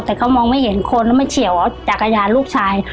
แต่เขามองไม่เห็นคนแล้วมาเฉียวจักรยานลูกชาย